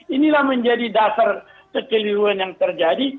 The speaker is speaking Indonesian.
inilah menjadi dasar kekeliruan yang terjadi